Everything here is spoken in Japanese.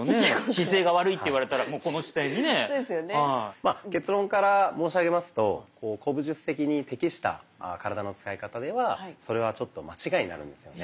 まあ結論から申し上げますと古武術的に適した体の使い方ではそれはちょっと間違いになるんですよね。